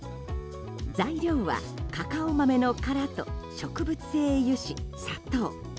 材料はカカオ豆の殻と植物性油脂、砂糖。